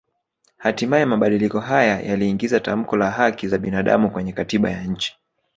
Hatimaye mabadiliko haya yaliingiza tamko la haki za binaadamu kwenye katiba ya nchi